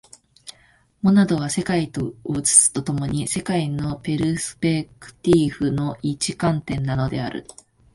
モナドは世界を映すと共に、世界のペルスペクティーフの一観点なのである。